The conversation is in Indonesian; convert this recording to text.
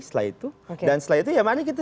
setelah itu dan setelah itu ya mari kita